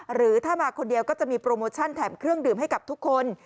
หรือถ้ามาคนเดียวก็จะมีโปรโมชั่นแถมเครื่องดื่มให้กับทุกคน